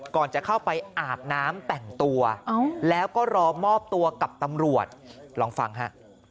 ก่อนจะเข้าไปอาบน้ำแต่งตัวแล้วก็รอมอบตัวกับตำรวจลองฟังฮะ